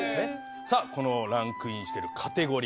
さあこのランクインしてるカテゴリ